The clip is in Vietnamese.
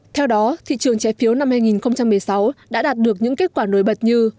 theo đó thị trường trái phiếu năm hai nghìn một mươi sáu đã đạt được những kết quả nổi bật như